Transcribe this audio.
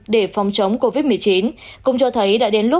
để phòng chống covid một mươi chín cũng cho thấy đã đến lúc